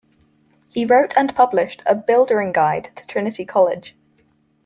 He wrote and published a buildering guide to Trinity College.